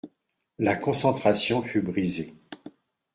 La concentration fut brisée.